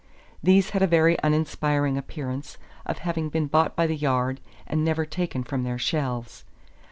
These had a very uninspiring appearance of having been bought by the yard and never taken from their shelves.